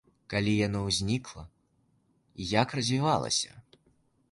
Калі яно ўзнікла і як развівалася?